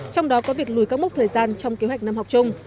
trong đó có việc lùi các mốc thời gian trong kế hoạch năm học chung